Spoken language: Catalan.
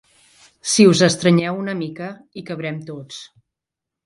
Si us estrenyeu una mica, hi cabrem tots.